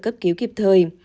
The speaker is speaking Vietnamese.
cấp cứu kịp thời